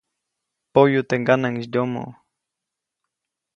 Poyu teʼ ŋganaŋʼis yomoʼ.